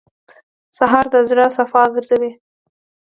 سهار د زړه صفا ګرځوي.